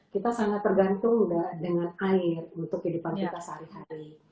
kita sangat tergantung dengan air untuk kehidupan kita sehari hari